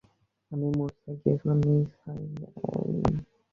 আমি মূর্ছা গিয়েছিলাম মিস সানশাইন।